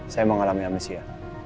saya mengalami amnesia